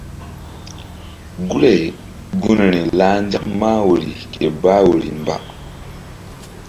Guri-ay gunri lah nzak mah woyri ke bah woyri mba.